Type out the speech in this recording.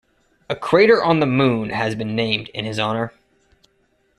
A crater on the moon has been named in his honour.